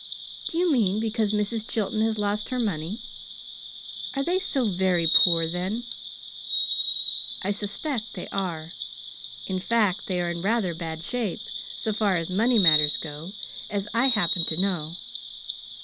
"Do you mean because Mrs. Chilton has lost her money? Are they so very poor, then?" "I suspect they are. In fact, they are in rather bad shape, so far as money matters go, as I happen to know.